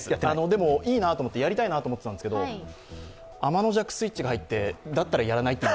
でもいいな、やりたいなと思ってたんですが、あまのじゃくスイッチが入って、だったらやらないって。